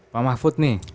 pak mahfud nih